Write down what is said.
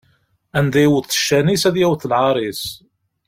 Anda iwweḍ ccan-is, ad yaweḍ lɛaṛ-is.